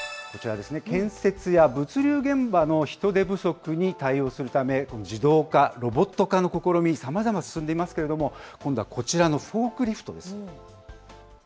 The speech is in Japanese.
こちらですね、建設や物流現場の人手不足に対応するため、自動化、ロボット化の試み、さまざま進んでいますけれども、今度はこちらのフォークリフトです。